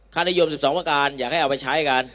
นิยม๑๒ประการอยากให้เอาไปใช้กัน